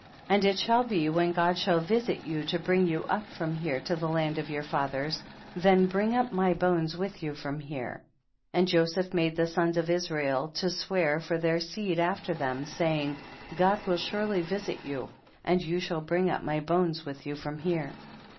23. And it shall be when God shall visit you to bring you up from here to the land of your fathers, then bring up my bones with you from here. 24. And Joseph made the sons of Israel to swear for their seed after them, saying, God will surely visit you and you shall bring up my bones with you from here.